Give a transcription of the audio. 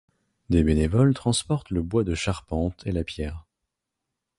Des bénévoles transportent le bois de charpente et la pierre.